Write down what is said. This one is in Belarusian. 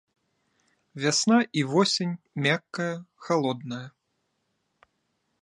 Вясна і восень мяккая халодная.